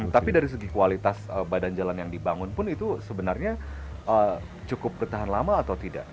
tapi dari segi kualitas badan jalan yang dibangun pun itu sebenarnya cukup bertahan lama atau tidak